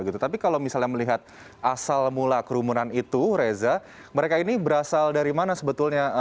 tapi kalau misalnya melihat asal mula kerumunan itu reza mereka ini berasal dari mana sebetulnya